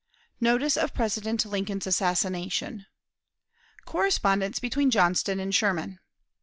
Notice of President Lincoln's Assassination. Correspondence between Johnston and Sherman.